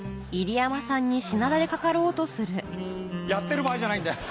やってる場合じゃないんだよ。